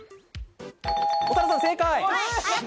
長田さん正解！